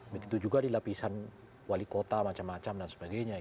begitu juga di lapisan wali kota macam macam dan sebagainya